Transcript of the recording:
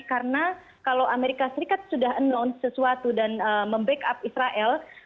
karena kalau amerika serikat sudah menyebut sesuatu dan mem backup israel